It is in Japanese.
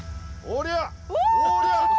おりゃ！